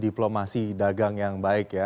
diplomasi dagang yang baik ya